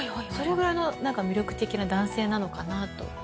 それぐらいの魅力的な男性なのかなと。